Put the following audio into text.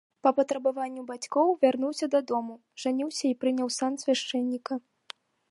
Па патрабаванню бацькоў вярнуўся дадому, жаніўся і прыняў сан свяшчэнніка.